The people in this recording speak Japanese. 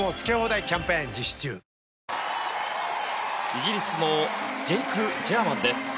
イギリスのジェイク・ジャーマンです。